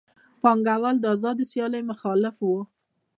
پانګوال د آزادې سیالۍ مخالف وو